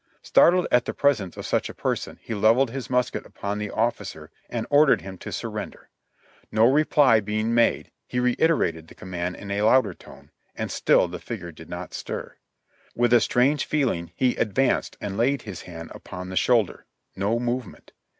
Startled at the presence of such a person, he levelled his musket upon the officer and ordered him to surrender; no reply being made, he reiterated the command in a louder tone, and still the figure did not stir; with a strange feeling he advanced and laid his hand upon the shoulder — no movement!